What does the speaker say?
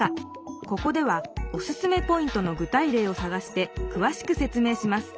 ここではおすすめポイントの具体例をさがしてくわしくせつ明します。